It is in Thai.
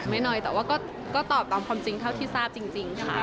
ไม่น้อยแต่ว่าก็ตอบตามความจริงเท่าที่ทราบจริงค่ะ